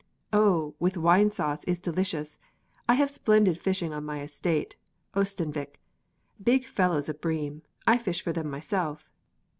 "Oh, with red wine sauce, delicious! I have splendid fishing on my estate, Oestanvik. Big fellows of bream! I fish for them myself."